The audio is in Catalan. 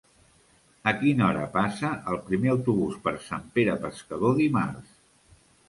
A quina hora passa el primer autobús per Sant Pere Pescador dimarts?